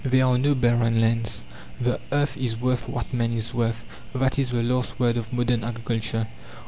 "There are no barren lands; the earth is worth what man is worth" that is the last word of modern agriculture.